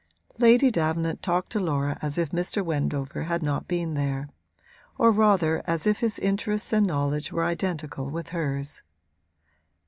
Lady Davenant talked to Laura as if Mr. Wendover had not been there; or rather as if his interests and knowledge were identical with hers.